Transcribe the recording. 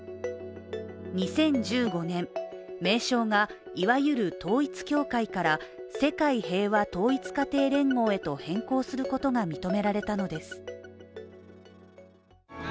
２０１５年、名称がいわゆる統一教会から世界平和統一家庭連合へと変更することが認められたのです。